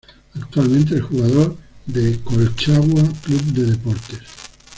Actualmente es jugador de Colchagua Club de Deportes